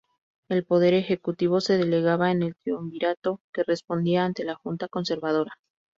El Poder Ejecutivo se delegaba en el Triunvirato, que respondía ante la Junta Conservadora.